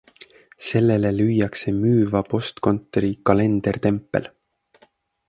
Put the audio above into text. Sellele lüüakse müüva postkontori kalendertempel.